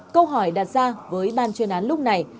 câu hỏi đặt ra với ban chuyên án lúc này